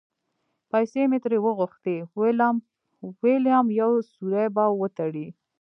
پیسې مې ترې وغوښتې؛ وېلم یو سوری به وتړي.